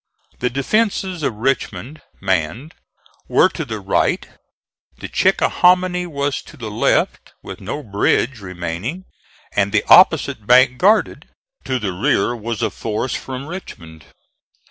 The defences of Richmond, manned, were to the right, the Chickahominy was to the left with no bridge remaining and the opposite bank guarded, to the rear was a force from Richmond.